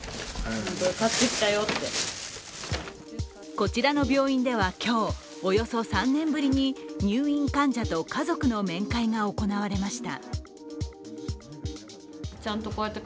こちらの病院では今日、およそ３年ぶりに入院患者と家族の面会が行われました。